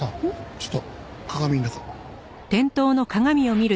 ちょっと鏡の中。